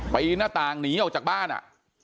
หน้าต่างหนีออกจากบ้านอ่ะ